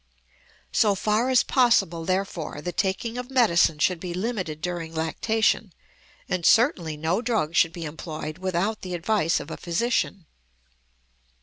So far as possible, therefore, the taking of medicine should be limited during lactation, and certainly no drug should be employed without the advice of a physician.